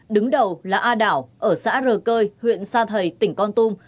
đứng đầu là a đảo ở xã rờ cơi huyện sa thầy tỉnh con tum